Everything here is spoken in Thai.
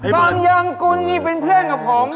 สองยองกุลมีเพื่อนกับผม